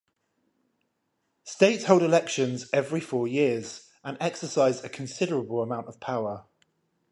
States hold elections every four years and exercise a considerable amount of power.